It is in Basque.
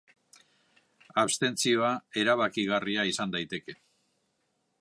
Abstentzioa erabakigarria izan daiteke.